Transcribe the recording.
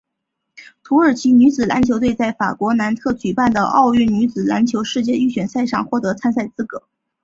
土耳其女子篮球队在法国南特举办的奥运女子篮球世界预选赛上获得参赛资格。